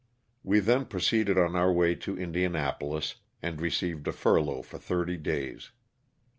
We then proceeded on our way to Indianapolis and received a furlough for thirty days.